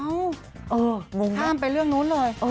งงห้ามไปเรื่องนู้นเลย